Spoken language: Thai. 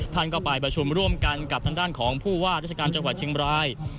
ท่านก็ไปประชุมร่วมกันกับทางด้านของผู้ว่าราชการจังหวัดเชียงบราย